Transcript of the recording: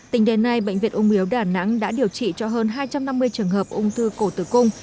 tính đến nay bệnh viện ung yếu đà nẵng đã điều trị cho hơn hai trăm năm mươi trường hợp ung thư cổ tử cung